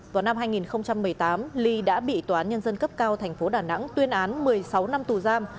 vào năm hai nghìn một mươi tám lý đã bị tòa án nhân dân cấp cao thành phố đà nẵng tuyên án một mươi sáu năm tù giam